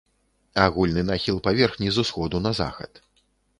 Агульны нахіл паверхні з усходу на захад.